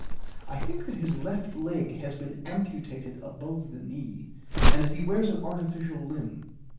I think that his left leg has been amputated above the knee, and that he wears an artificial limb.